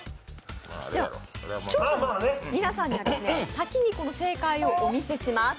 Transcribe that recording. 視聴者の皆さんには、先にこの正解をお見せします